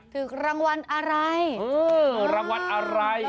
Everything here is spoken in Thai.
ถูกรางวัลอะไร